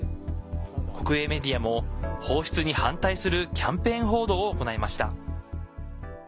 国営メディアも放出に反対するキャンペーン報道を行いました。